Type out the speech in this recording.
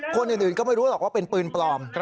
คนอื่นก็ไม่รู้หรอกว่าเป็นปืนปลอม